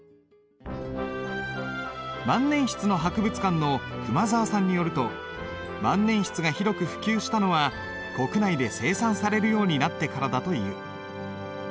万年筆の博物館の熊澤さんによると万年筆が広く普及したのは国内で生産されるようになってからだという。